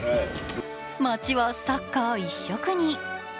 街はサッカー一色に。